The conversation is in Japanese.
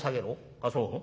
あっそう。